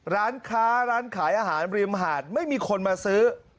ร้านค้าร้านขายอาหารริมหาดไม่มีคนมาซื้อ